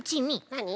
なに？